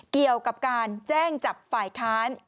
เกี่ยวกับการแจ้งจับฝ่ายค้าน